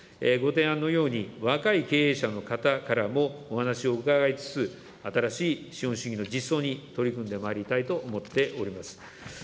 ご提案のように、若い経営者の方からもお話を伺いつつ、新しい資本主義の実装に取り組んでまいりたいと思っております。